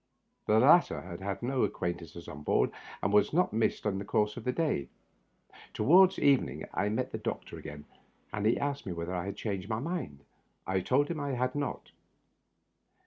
The latter had had no acquaintances on board, and was not missed in the course of the day. Toward evening I met the doctor again, and he asked me whether I had changed my mind. I told him I had not.